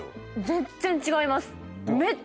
全然違います